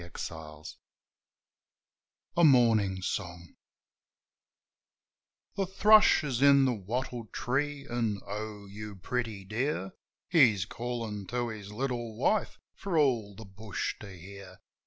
A MORNING SONG A Morning Song THE thrush is in the wattle tree, an', "O, you pretty dear !" He's callin' to his little wife for all the bush to hear.